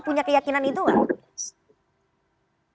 punya keyakinan itu gak